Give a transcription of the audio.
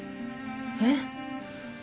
えっ？